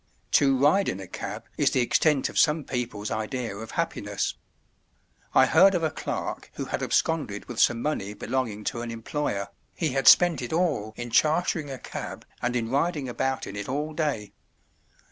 To ride in a cab is the extent of some people's idea of happiness. I heard of a clerk who had absconded with some money belonging to an employer, he had spent it all in chartering a cab, and in riding about in it all day.